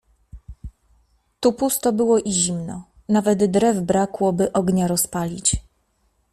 "Tu pusto było i zimno, nawet drew brakło, by ognia rozpalić."